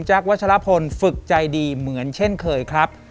วัชลพลฝึกใจดีเหมือนเช่นเคยครับ